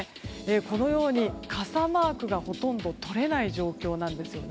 このように傘マークがほとんどとれない状況なんですよね。